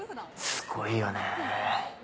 すごいよね。